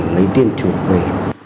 lấy tiền trụ về